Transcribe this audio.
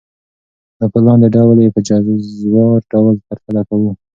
نو په لاندي ډول ئي په جزوار ډول پرتله كوو .